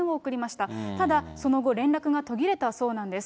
ただその後連絡が途切れたそうなんです。